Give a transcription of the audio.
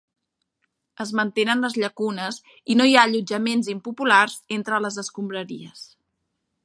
Es mantenen les llacunes i no hi ha allotjaments impopulars entre les escombraries.